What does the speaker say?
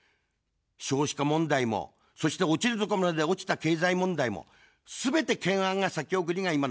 少子化問題も、そして落ちるところまで落ちた経済問題も、すべて懸案が先送りが今の自民党です。